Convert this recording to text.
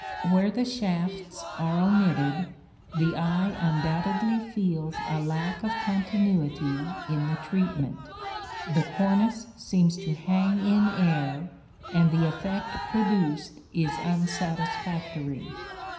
Where the shafts are omitted, the eye undoubtedly feels a lack of continuity in the treatment: the cornice seems to hang in air and the effect produced is unsatisfactory.